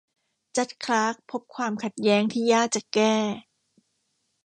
จัดจ์คลาร์คพบความขัดแย้งที่ยากจะแก้